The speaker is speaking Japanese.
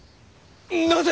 なぜ？